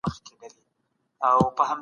سړکونه پاخه کړو.